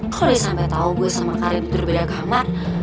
kalau dia sampe tau gue sama karin berdua beda kamar